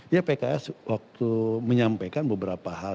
ya pks waktu menyampaikan beberapa hal